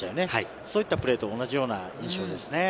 そういったプレーと同じ印象ですね。